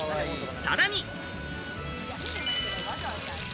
さらに。